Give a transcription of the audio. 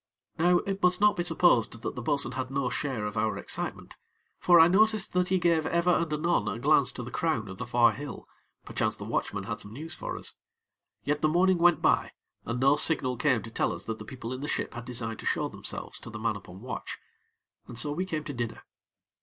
Now, it must not be supposed that the bo'sun had no share of our excitement; for I noticed that he gave ever and anon a glance to the crown of the far hill, perchance the watchman had some news for us. Yet the morning went by, and no signal came to tell us that the people in the ship had design to show themselves to the man upon watch, and so we came to dinner.